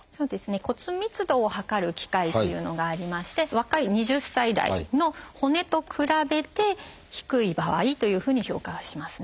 骨密度を測る機械っていうのがありまして若い２０歳代の骨と比べて低い場合というふうに評価はしますね。